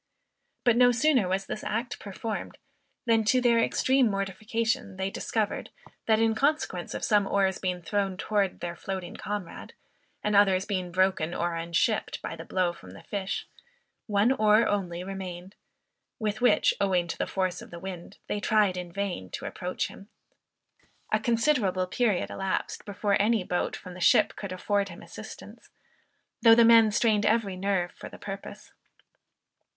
But no sooner was this act performed, than to their extreme mortification they discovered, that in consequence of some oars being thrown towards their floating comrade, and others being broken or unshipped by the blow from the fish, one oar only remained; with which, owing to the force of the wind, they tried in vain to approach him. A considerable period elapsed, before any boat from the ship could afford him assistance, though the men strained every nerve for the purpose.